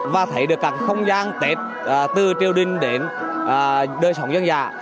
và thấy được các không gian tết từ triều đình đến đời sống dân giả